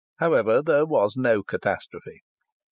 However, there was no catastrophe.